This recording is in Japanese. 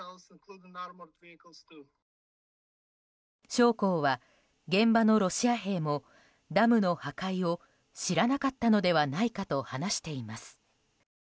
将校は、現場のロシア兵もダムの破壊を知らなかったのではないかと話しています。